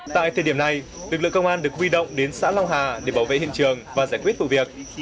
tại thời điểm này lực lượng công an được huy động đến xã long hà để bảo vệ hiện trường và giải quyết vụ việc